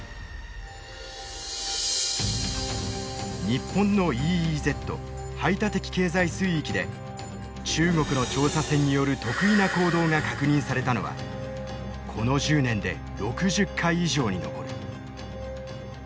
日本のＥＥＺ排他的経済水域で中国の調査船による特異な行動が確認されたのはこの１０年で６０回以上に上る。